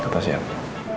aku tau siapa